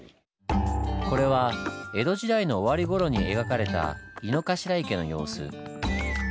これは江戸時代の終わり頃に描かれた井の頭池の様子。